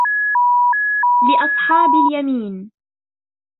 لِّأَصْحَابِ الْيَمِينِ